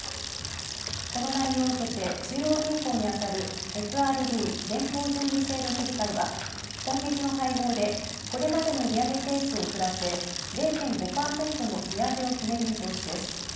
この内容を受けて、中央銀行に当たるＦＲＢ＝連邦準備制度理事会は今月の会合でこれまでの利上げペースを遅らせ、０．５％の利上げを決める見通しです。